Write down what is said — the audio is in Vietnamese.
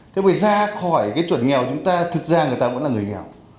thế mà ra khỏi cái chuẩn nghèo chúng ta thực ra người ta vẫn là người nghèo